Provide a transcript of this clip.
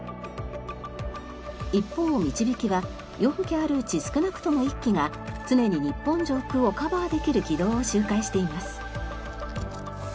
一方みちびきは４機あるうち少なくとも１機が常に日本上空をカバーできる軌道を周回しています。